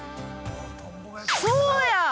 ◆そうや！